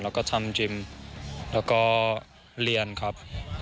แล้วก็ทำยิมก็เรียนครับ